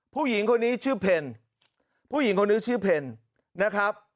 ผู้หญิงคนนี้ชื่อเพลผู้หญิงคนนี้ชื่อเพลนะครับ